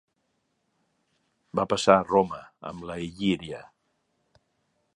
Va passar a Roma amb la Il·líria.